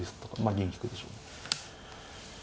銀引くでしょうね。